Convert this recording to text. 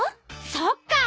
そっか。